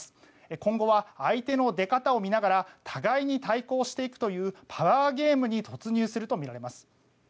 今後は相手の出方を見ながら互いに対抗していくというパワーゲームに突入するとみられます。